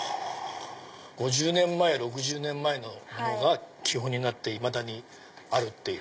５０年前６０年前のものが基本になっていまだにあるっていう。